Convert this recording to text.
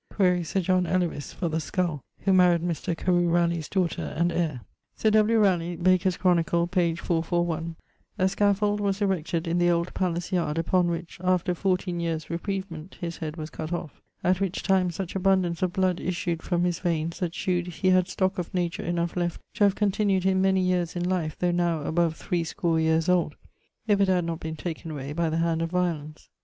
Quaere Sir John Elowys for the skull, who married Mr. Carew Ralegh's daughter and heire. Sir W. Raleigh Baker's Chronicle, p. 441 'A scaffold was erected in the Old Palace Yard, upon which, after 14 yeares reprivement, his head was cutt off. At which time such abundance of bloud issued from his veines that shewed he had stock of nature enough left to have continued him many yeares in life though now above 3 score yeares old, if it had not been taken away by the hand of violence.